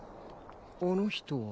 あの人は。